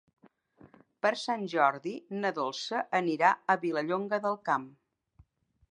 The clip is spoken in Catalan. Per Sant Jordi na Dolça anirà a Vilallonga del Camp.